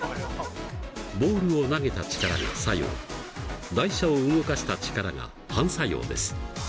ボールを投げた力が作用台車を動かした力が反作用です。